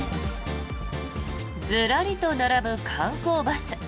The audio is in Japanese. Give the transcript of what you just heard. ズラリと並ぶ観光バス。